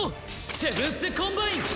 セブンス・コンバイン！